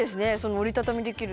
折りたたみできる。